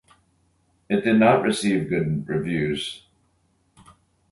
It did not receive good reviews.